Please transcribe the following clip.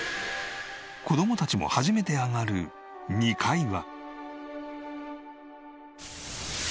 子供たちも初めて上がる２階は？